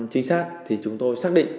chính xác thì chúng tôi xác định